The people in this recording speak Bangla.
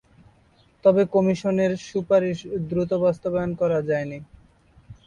তবে কমিশনের সুপারিশ দ্রুত বাস্তবায়ন করা যায়নি।